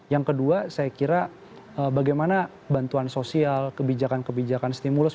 yang kedua saya kira bagaimana bantuan sosial kebijakan kebijakan stimulus